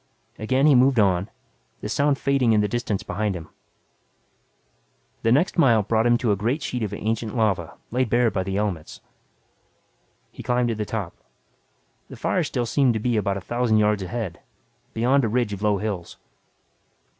Again he moved on, the sound fading in the distance behind him. The next mile brought him to a great sheet of ancient lava laid bare by the elements. He climbed to the top. The fire still seemed to be about a thousand yards ahead, beyond a ridge of low hills.